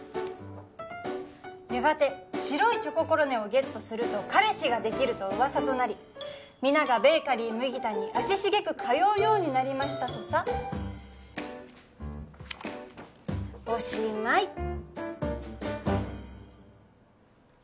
やがて白いチョココロネをゲットすると彼氏ができると噂となり皆がベーカリー麦田に足しげく通うようになりましたとさ「おしまい」